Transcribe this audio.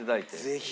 ぜひ。